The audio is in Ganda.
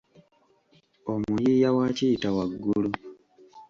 Omuyiiya wa "Kiyita waggulu".